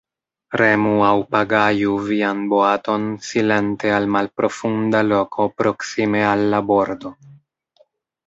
Remu aŭ pagaju vian boaton silente al malprofunda loko proksime al la bordo.